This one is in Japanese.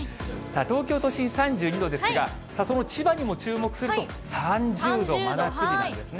東京都心３２度ですが、その千葉にも注目すると、３０度、真夏日なんですね。